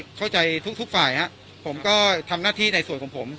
เข้าใจทุกฝ่ายฮะผมก็ทำหน้าที่ในส่วนของผม